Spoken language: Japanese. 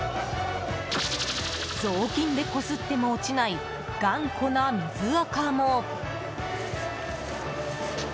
雑巾でこすっても落ちない頑固な水垢も。